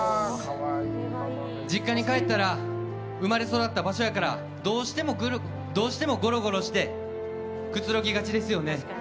実家に帰ったら生まれ育った場所やからどうしてもゴロゴロしてくつろぎがちですよね。